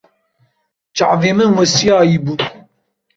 Çavên min westiyayî bûn.